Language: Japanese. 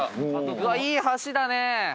いい橋だね！